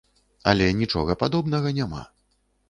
Але нічога падобнага няма.